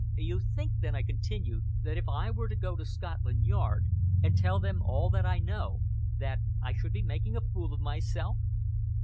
"You think, then," I continued, "that if I were to go to Scotland Yard, and tell them all that I know, that I should be making a fool of myself."